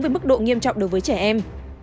với mức độ nghiêm trọng đối với trẻ em